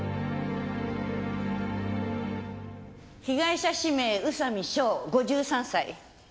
被害者氏名宇佐美翔５３歳。